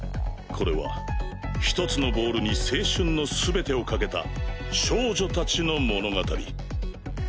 これは一つのボールに青春の全てを賭けた少女たちの物語。